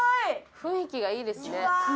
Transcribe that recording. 雰囲気がいいですね。